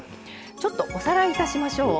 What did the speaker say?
ちょっとおさらいいたしましょう。